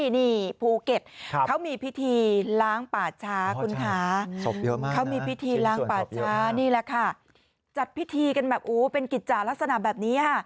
นี่แหละค่ะจัดพิธีกันแบบโอ้เป็นกิจจารัศนาแบบนี้